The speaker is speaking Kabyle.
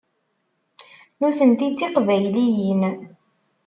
Nutenti d tiqbayliyin.